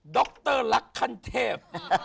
ดรลักษณ์คันเทพ